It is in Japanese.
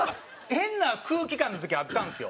変な空気感の時あったんですよ。